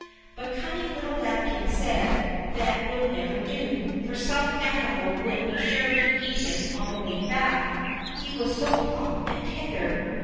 But cunning little Lambikin said that would never do, for some animal would be sure to eat him on the way back, he was so plump and tender.